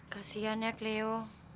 kasihan ya cleo